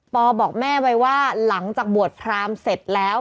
บอกแม่ไว้ว่าหลังจากบวชพรามเสร็จแล้ว